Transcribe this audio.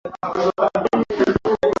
Akagimwagia mvinyo mwingi kwenye jeraha lake